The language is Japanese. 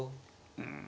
うん。